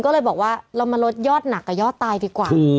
ก็เลยบอกว่าเรามาลดยอดหนักกับยอดตายดีกว่า